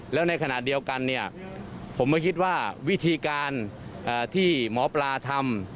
แล้วในขณะเดียวกันเนี่ยผมไม่คิดว่าวิธีการที่หมอปลาทำ